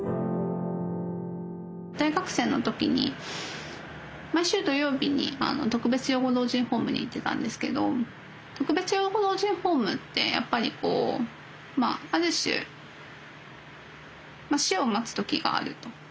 大学生の時に毎週土曜日に特別養護老人ホームに行ってたんですけど特別養護老人ホームってやっぱりこうある種死を待つ時があると。